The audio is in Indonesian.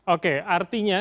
oke artinya ketika